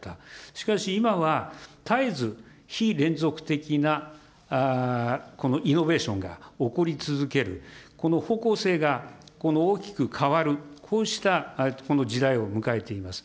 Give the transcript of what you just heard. しかし、今は絶えず非連続的なこのイノベーションが起こり続ける、この方向性がこの大きく変わる、こうしたこの時代を迎えています。